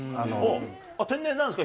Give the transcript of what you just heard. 天然なんですか？